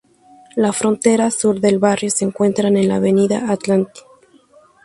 La frontera sur del barrio se encuentra en la avenida Atlantic.